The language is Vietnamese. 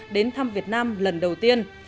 đến thăm việt nam lần đầu tiên